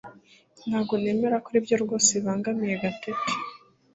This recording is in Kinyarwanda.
Ntabwo nemera ko aribyo rwose bibangamiye Gatete